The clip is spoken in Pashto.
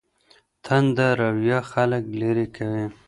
تنده رویه خلګ لیرې کوي.